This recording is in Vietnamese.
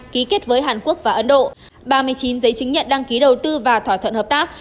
ký kết với hàn quốc và ấn độ ba mươi chín giấy chứng nhận đăng ký đầu tư và thỏa thuận hợp tác